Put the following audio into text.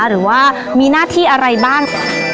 หรือว่ามีหน้าที่อะไรบ้าง